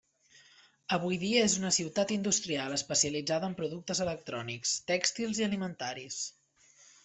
Avui dia és una ciutat industrial especialitzada en productes electrònics, tèxtils i alimentaris.